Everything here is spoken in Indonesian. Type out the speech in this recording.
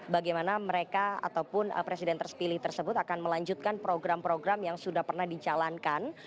bagaimana mereka ataupun presiden terpilih tersebut akan melanjutkan program program yang sudah pernah dijalankan